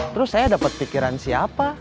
terus saya dapat pikiran siapa